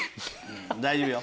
大丈夫よ。